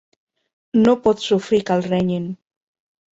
No pot sofrir que el renyin.